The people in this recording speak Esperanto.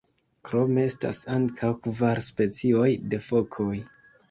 Krome estas ankaŭ kvar specioj de fokoj.